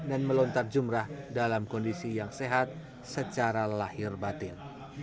dan melontar jumrah dalam kondisi yang sehat secara lahir batin